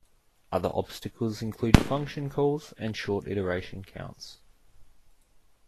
Other obstacles include function calls and short iteration counts.